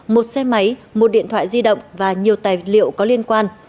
một xe máy một điện thoại di động và nhiều tài liệu có liên quan